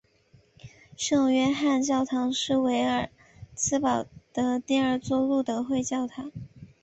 圣约翰教堂是维尔茨堡的第二座路德会教堂。